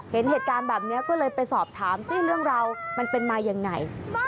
เห็นเหตุการณ์แบบนี้ก็เลยไปสอบถามสิเรื่องราวมันเป็นมายังไง